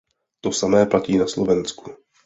To samé platí na Slovensku.